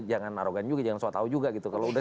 jangan narogan juga jangan sotaw juga gitu kalau udah